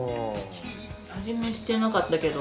味見してなかったけど。